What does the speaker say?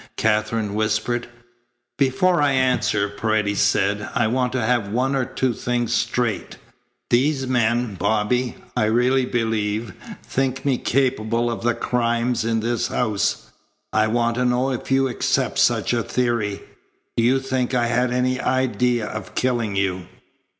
Katherine whispered. "Before I answer," Paredes said, "I want to have one or two things straight. These men, Bobby, I really believe, think me capable of the crimes in this house. I want to know if you accept such a theory. Do you think I had any idea of killing you?"